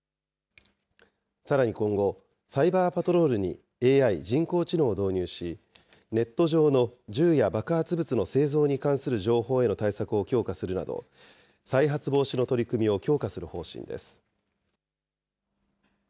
さらに今後、サイバーパトロールにＡＩ・人工知能を導入し、ネット上の銃や爆発物の製造に関する情報への対策を強化するなど、再発防止の取り組みを強化する方針です。